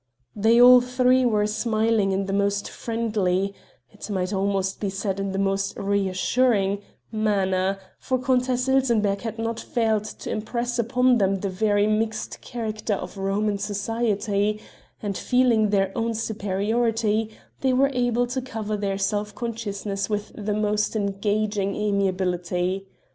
They all three were smiling in the most friendly it might almost be said the most reassuring manner; for Countess Ilsenbergh had not failed to impress upon them the very mixed character of Roman society, and, feeling their own superiority, they were able to cover their self consciousness with the most engaging amiability.